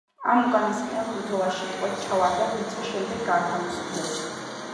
ამ უკანასკნელ ბრძოლაში ტყვედ ჩავარდა, თუმცა შემდეგ გაათავისუფლეს.